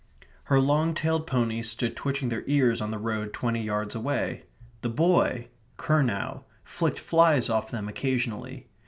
Her long tailed ponies stood twitching their ears on the road twenty yards away. The boy, Curnow, flicked flies off them occasionally.